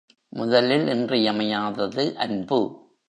முதலில் இன்றியமையாதது அன்பு.